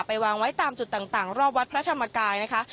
วางไว้ตามจุดต่างรอบวัดพระธรรมกายนะคะ